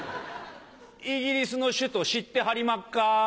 イギリスの首都知ってはりまっか？